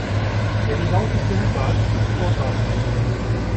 Wer die lauteste Hupe hat, hat Vorfahrt.